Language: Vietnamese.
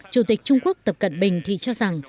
chủ tịch trung quốc tập cận bình thì cho rằng